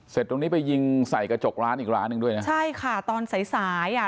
ตรงนี้ไปยิงใส่กระจกร้านอีกร้านหนึ่งด้วยนะใช่ค่ะตอนสายสายอ่ะ